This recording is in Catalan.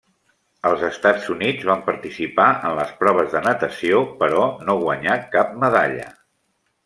Els Estats Units van participar en les proves de natació, però no guanyà cap medalla.